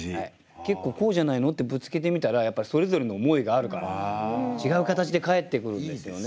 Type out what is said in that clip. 結構「こうじゃないの？」ってぶつけてみたらやっぱりそれぞれの思いがあるから違う形で返ってくるんですよね。